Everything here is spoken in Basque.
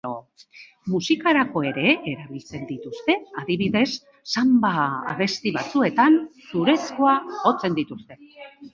Musikarako ere erabiltzen dituzte, adibidez, sanba-abesti batzuetan zurezkoak jotzen dituzte.